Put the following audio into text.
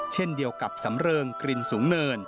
เช่นเดียวกับสำเริงกลิ่นสูงเนิน